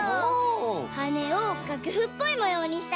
はねをがくふっぽいもようにしたよ。